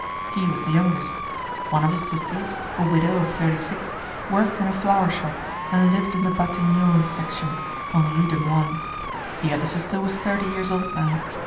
He was the youngest. One of his sisters, a widow of thirty six, worked in a flower shop and lived in the Batignolles section, on Rue des Moines. The other sister was thirty years old now.